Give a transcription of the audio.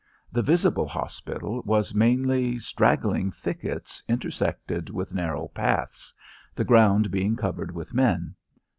The visible hospital was mainly straggling thickets intersected with narrow paths, the ground being covered with men.